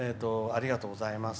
ありがとうございます。